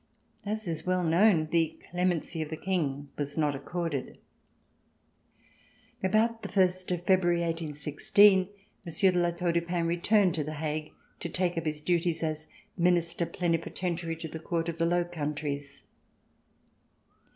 As is well known, the clemency of the King was not accorded. About the first of February, 1816, Monsieur de La Tour du Pin returned to The Hague to take up his duties as Minister Plenipotentiary to the Court of the Low Countries.